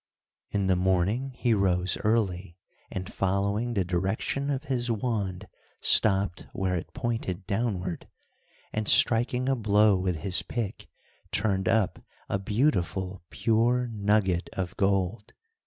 In the morning he rose early, and following the direction of his wand, stopped where it pointed downward, and striking a blow with his pick, turned up a beautiful pure nugget of gold.